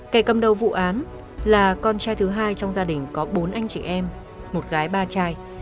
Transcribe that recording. kẻ cầm đầu vụ án là con trai thứ hai trong gia đình có bốn anh chị em một gái ba trai